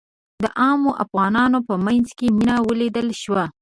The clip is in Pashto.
د عامو افغانانو په منځ کې مينه ولیدل شوه.